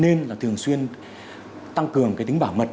nên là thường xuyên tăng cường cái tính bảo mật